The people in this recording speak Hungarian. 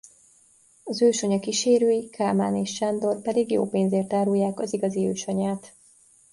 Az ősanya kísérői Kálmán és Sándor pedig jó pénzért árulják az igazi ősanyát.